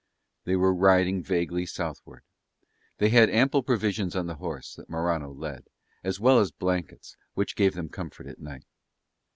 They were riding vaguely southward. They had ample provisions on the horse that Morano led, as well as blankets, which gave them comfort at night.